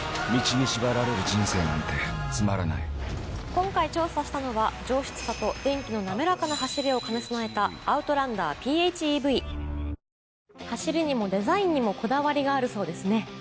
今回調査したのは上質さと電気の滑らかな走りを兼ね備えたアウトランダーＰＨＥＶ走りにもデザインにもこだわりがあるそうですね。